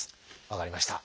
分かりました。